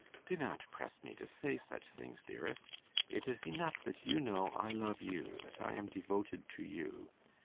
'Do not press me to say such things, dearest. It is enough that you know I love you that I am devoted to you.